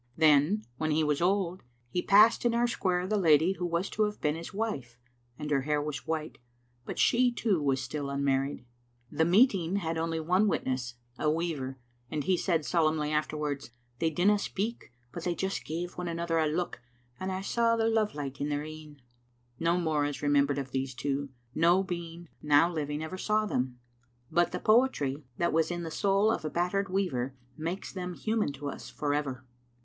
Then, when he was old, he passed in our square the lady who was to have been his wife, and her hair was white, but she, too, was still unmar ried. The meeting had only one witness, a weaver, and he said solemnly afterwards, " They didna speak, but they just gave one another a look, and I saw the love light in their een. " No more is remembered of these two, no being now living ever saw them, but the poetry that was in the soul of a battered weaver makes them human to us for ever.